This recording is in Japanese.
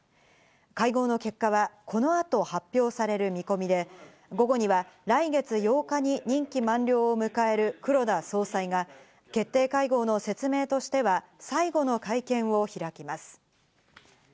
会合の結果はこの後、発表される見込みで、午後には来月８日に任期満了を迎える黒田総裁が決定会合の説明としては最後の会見を開きます。